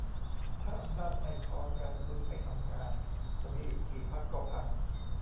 ถ้าอำนาจไม่พอกัน ดุลไม่ทำงาน จะมีอีกกี่พรรคก็พัง